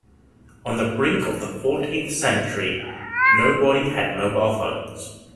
On the brink of the fourteenth century, nobody had mobile phones.